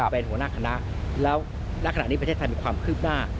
เป็นหัวหน้าคณะแล้วณขณะนี้ประเทศไทยมีความคืบหน้า